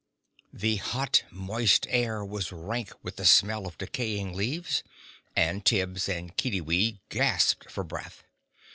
The hot, moist air was rank with the smell of decaying leaves, and Tibbs and Kiddiwee gasped for breath.